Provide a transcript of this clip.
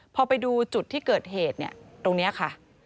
พอไปดูจุดที่เกิดเหตุเนี่ยตรงนี้ค่ะ